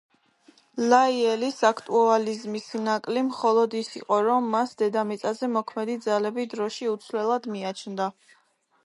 ლაიელის აქტუალიზმის ნაკლი მხოლოდ ის იყო, რომ მას დედამიწაზე მოქმედი ძალები დროში უცვლელად მიაჩნდა.